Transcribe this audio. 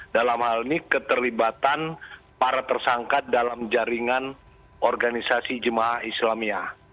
dalam hal ini keterlibatan para tersangka dalam jaringan organisasi jemaah islamia